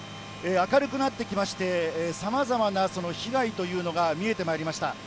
明るくなってきまして、さまざまなその被害というのが見えてまいりました。